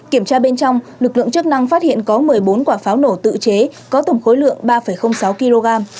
kiểm tra bên trong lực lượng chức năng phát hiện có một mươi bốn quả pháo nổ tự chế có tổng khối lượng ba sáu kg